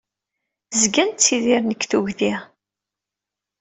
Zgan ttidiren deg tugdi.